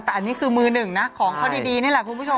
แต่อันนี้คือมือหนึ่งนะของเขาดีนี่แหละคุณผู้ชม